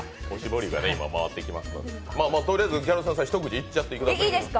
とりあえずギャル曽根さん、ひと口いっちゃってください。